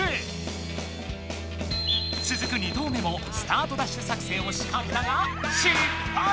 つづく２投目もスタートダッシュ作戦をしかけたがしっぱい！